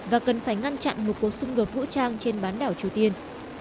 và cần phải ngăn chặn một cuộc xung đột vũ trang trên bán đảo triều tiên